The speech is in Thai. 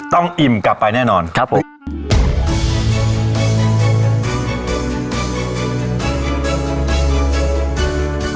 อิ่มกลับไปแน่นอนครับผม